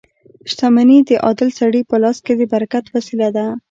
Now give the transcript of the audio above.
• شتمني د عادل سړي په لاس کې د برکت وسیله ده.